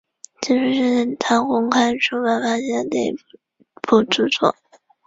此书是他公开出版发行的第一部着作。